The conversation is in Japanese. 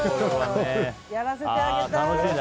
やらせてあげたい。